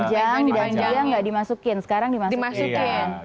panjang dia gak dimasukin sekarang dimasukin